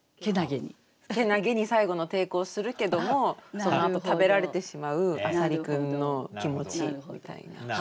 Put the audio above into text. けなげに最後の抵抗をするけどもそのあと食べられてしまう浅蜊君の気持ちみたいな。